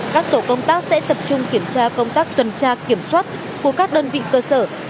các tổ công tác sẽ tập trung kiểm tra công tác tuần tra kiểm soát của các đơn vị cơ sở